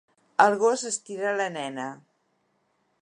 El gos estira la nena.